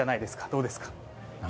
どうですか？